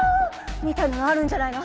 みたいなのあるんじゃないの？